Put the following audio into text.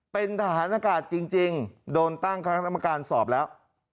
เป็นฐานะกาศจริงโดนตั้งคณะน้ำการสอบแล้ว